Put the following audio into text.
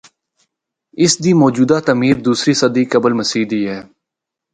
اس دی موجودہ تعمیر دوسری صدی قبل مسیح دی ہے۔